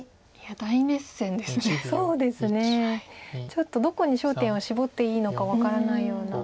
ちょっとどこに焦点を絞っていいのか分からないような。